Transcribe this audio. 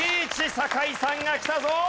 酒井さんがきたぞ！